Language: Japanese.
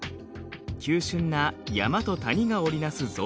急しゅんな山と谷が織り成す造形美です。